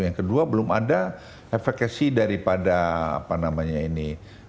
yang kedua belum ada efekasi daripada apa namanya ini